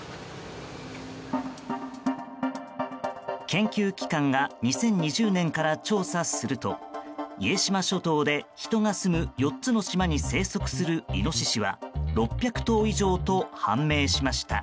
研究機関が２０２０年から調査すると家島諸島で人が住む４つの島に生息するイノシシは６００頭以上と判明しました。